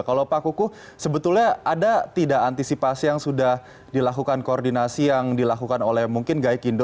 kalau pak kukuh sebetulnya ada tidak antisipasi yang sudah dilakukan koordinasi yang dilakukan oleh mungkin gaikindo